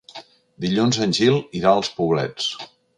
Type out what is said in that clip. Dilluns en Gil irà als Poblets.